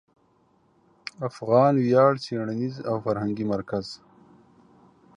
افغان ویاړ څېړنیز او فرهنګي مرکز